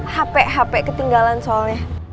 hp hp ketinggalan soalnya